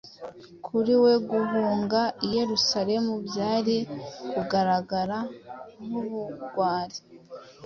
Kuri we guhunga i Yerusalemu byari kugaragara nk’ubugwari.